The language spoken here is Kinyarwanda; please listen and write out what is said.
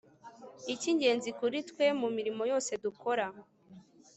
icy'ingenzi kuri twe - mu mirimo yose dukora